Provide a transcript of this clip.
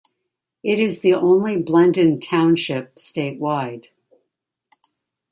It is the only Blendon Township statewide.